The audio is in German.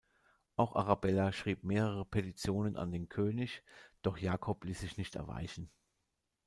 Auch Arbella schrieb mehrere Petitionen an den König, doch Jakob ließ sich nicht erweichen.